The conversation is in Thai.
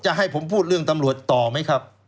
ให้ผมพูดเรื่องตำรวจต่อไหมครับ